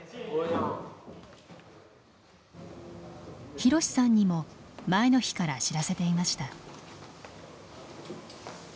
ひろしさんにも前の日から知らせていました。